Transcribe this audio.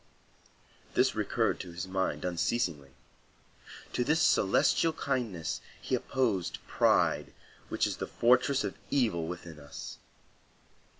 This recurred to his mind unceasingly. To this celestial kindness he opposed pride, which is the fortress of evil within us.